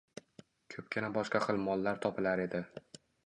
Koʻpgina boshqa xil mollar topilar edi.